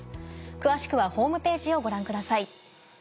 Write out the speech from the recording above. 詳しくはホームページをご覧ください。